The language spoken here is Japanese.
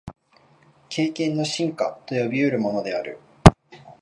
経験の深化と呼び得るものである。